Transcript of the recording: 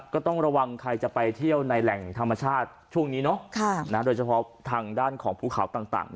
ก็ต้องระวังใครจะไปเที่ยวในแหล่งธรรมชาติช่วงนี้เนาะโดยเฉพาะทางด้านของภูเขาต่าง